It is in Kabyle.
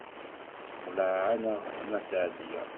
Tessexleɛ-aneɣ Nna Seɛdiya.